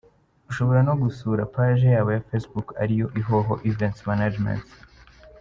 Ushobora no gusura paji yabo ya facebook ariyo : Ihoho Events Managements.